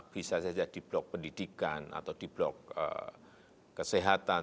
bisa saja di blok pendidikan atau di blok kesehatan